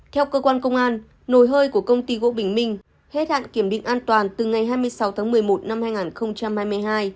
theo cơ quan công an nồi hơi của công ty gỗ bình minh hết hạn kiểm định an toàn từ ngày hai mươi sáu tháng một mươi một năm hai nghìn hai mươi hai